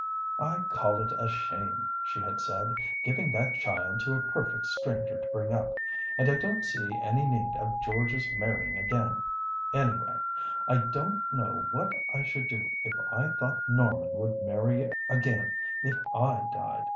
"I call it a shame," she had said, "giving that child to a perfect stranger to bring up, and I don't see any need of George's marrying again, anyway. I don't know what I should do if I thought Norman would marry again if I died.